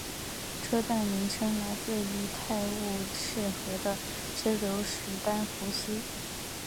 车站名称来自于泰晤士河的支流史丹佛溪。